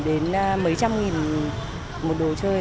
đến mấy trăm nghìn một đồ chơi